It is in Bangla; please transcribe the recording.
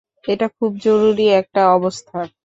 এটা খুব জরুরী একটা অবস্থা।